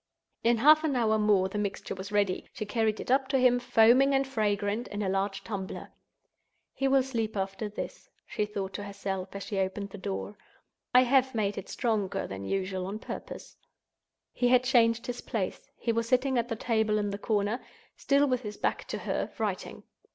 In half an hour more the mixture was ready. She carried it up to him, foaming and fragrant, in a large tumbler. "He will sleep after this," she thought to herself, as she opened the door; "I have made it stronger than usual on purpose." He had changed his place. He was sitting at the table in the corner—still with his back to her, writing.